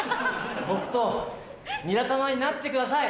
僕とニラ玉になってください。